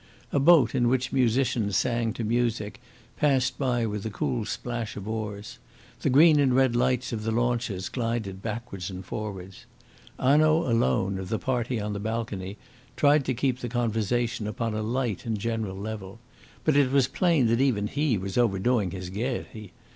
A boat in which musicians sang to music, passed by with a cool splash of oars. The green and red lights of the launches glided backwards and forwards. Hanaud alone of the party on the balcony tried to keep the conversation upon a light and general level. But it was plain that even he was overdoing his gaiety.